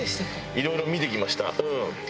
いろいろ見てきました。